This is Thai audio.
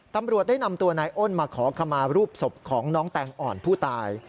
ตำรวจได้นำตัวนายอ้นมาขอขมารูปศพของน้องแตงอ่อนผู้ตาย